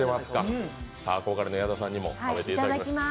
憧れの矢田さんにも食べていただきます。